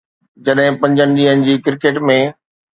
جڏهن پنجن ڏينهن جي ڪرڪيٽ ۾